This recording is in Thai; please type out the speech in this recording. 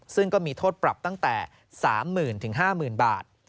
ซึ่งก็มีโทษปรับตั้งแต่๓๐๐๐๕๐๐๐บาท